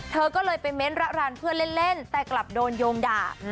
เธอก็เลยไปเม้นระรันเพื่อนเล่นแต่กลับโดนโยงด่า